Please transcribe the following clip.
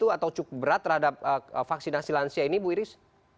atau cukup berat terhadap vaksinasi lansia ini bu iris